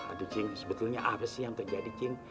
aduh cing sebetulnya apa sih yang terjadi cing